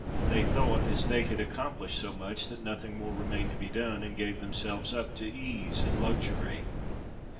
They thought, as they had accomplished so much, that nothing more remained to be done, and gave themselves up to ease and luxury.